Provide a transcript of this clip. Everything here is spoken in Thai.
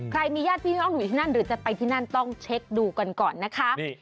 ใครมีญาติพี่น้องอยู่ที่นั่นหรือจะไปที่นั่นต้องเช็คดูกันก่อนนะคะ